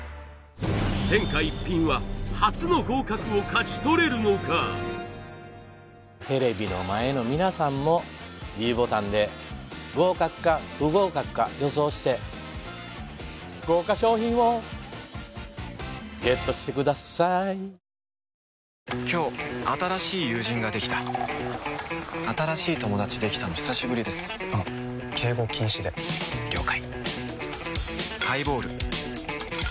天下一品は初の合格を勝ち取れるのかテレビの前の皆さんもｄボタンで合格か不合格か予想して豪華賞品をＧＥＴしてください新しい友達できたの久しぶりですあ敬語禁止で了解カチン